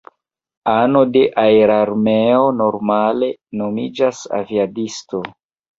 Ano de aerarmeo normale nomiĝas aviadisto.